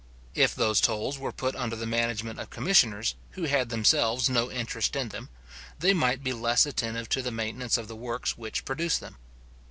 If those tolls were put under the management of commissioners, who had themselves no interest in them, they might be less attentive to the maintenance of the works which produced them.